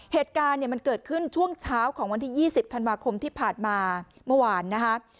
เหตุการณ์เนี่ยมันเกิดขึ้นช่วงเช้าของวันที่๒๐ธันวาคมที่ผ่านมาเมื่อวานนะคะ